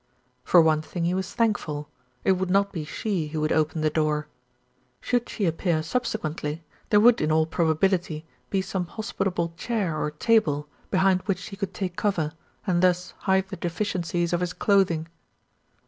For one thing he was thankful, it would not be she who would open the door. Should she appear subsequently, there would in all probability be some hospitable chair or table behind which he could take cover, and thus hide the deficiencies of his clothing.